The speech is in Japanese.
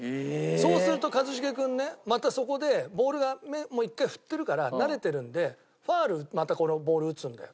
「そうすると一茂君ねまたそこでボールがもう１回振ってるから慣れてるんでファウルまたこのボール打つんだよ」